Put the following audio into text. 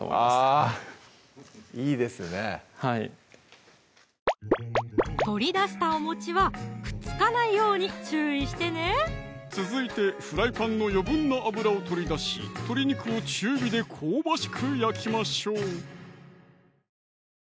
あぁいいですねはい取り出したおはくっつかないように注意してね続いてフライパンの余分な油を取り出し鶏肉を中火で香ばしく